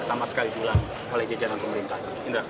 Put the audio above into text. sama sekali dulang oleh jejaknya pemerintah